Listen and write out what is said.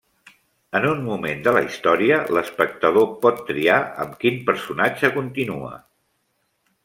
En un moment de la història, l’espectador pot triar amb quin personatge continua.